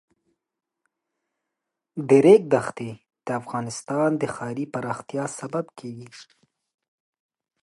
د ریګ دښتې د افغانستان د ښاري پراختیا سبب کېږي.